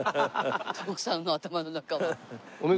徳さんの頭の中は。